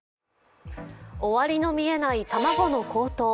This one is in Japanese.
終わりの見えない卵の高騰。